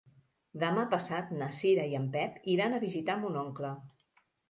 Demà passat na Cira i en Pep iran a visitar mon oncle.